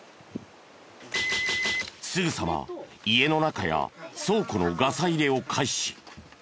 すぐさま家の中や倉庫のガサ入れを開始。